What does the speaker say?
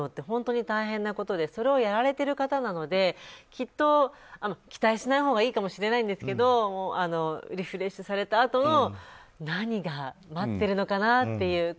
本当に大変なことでそれをやられてる方なのできっと期待しないほうがいいかもしれないですけどリフレッシュされたあとの何が待っているのかなっていう。